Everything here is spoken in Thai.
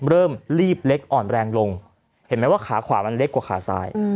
รีบเล็กอ่อนแรงลงเห็นไหมว่าขาขวามันเล็กกว่าขาซ้าย